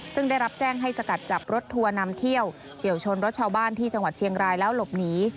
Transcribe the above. ซึ่งได้รับแจ้งให้สกัดจับรถทัวร์นำเที่ยวเฉียวชนรถชาวบ้านที่จังหวัดเชียงรายแล้วหลบหนี